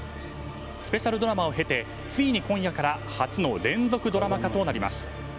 スペシャルドラマを経てついに今夜から初の連続ドラマ化となります。